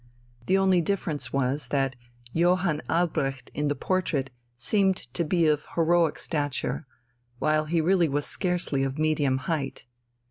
The only difference was that Johann Albrecht in the portrait seemed to be of heroic stature, while he really was scarcely of medium height.